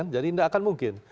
jadi tidak akan mungkin